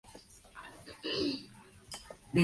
El merengue.